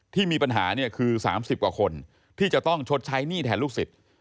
ที่มีปัญหาเนี่ยคือ๓๐กว่าคนที่จะต้องชดใช้หนี้แทนลูกศิษย์